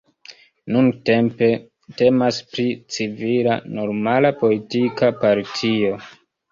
Nuntempe temas pri civila normala politika partio.